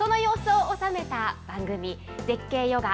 その様子を収めた番組、絶景ＹＯＧＡ